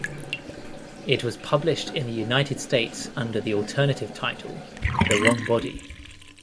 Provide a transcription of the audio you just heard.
It was published in the United States under the alternative title The Wrong Body.